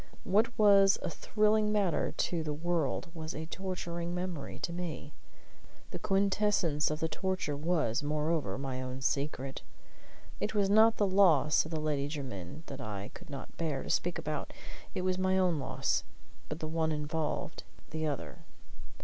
What was a thrilling matter to the world was a torturing memory to me. The quintessence of the torture was, moreover, my own secret. It was not the loss of the Lady Jermyn that I could not bear to speak about; it was my own loss; but the one involved the other.